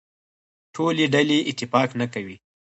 ټولې ډلې اتفاق نه کوي.